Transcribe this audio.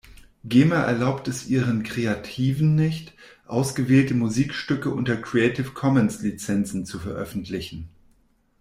Gema erlaubt ihren Kreativen nicht, ausgewählte Musikstücke unter Creative Commons Lizenzen zu veröffentlichen.